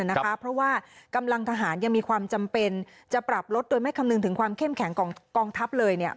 เพราะว่ากำลังทหารยังมีความจำเป็นจะปรับลดโดยไม่คำนึงถึงความเข้มแข็งของกองทัพเลย